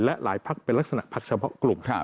และหลายพักเป็นลักษณะพักเฉพาะกลุ่ม